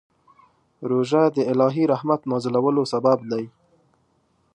روژه د الهي رحمت نازلولو سبب دی.